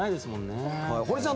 堀さん